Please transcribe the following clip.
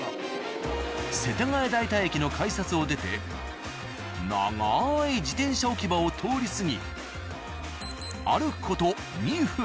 世田谷代田駅の改札を出て長い自転車置き場を通り過ぎ歩く事２分。